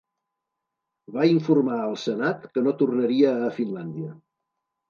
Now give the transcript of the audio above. Va informar al Senat que no tornaria a Finlàndia.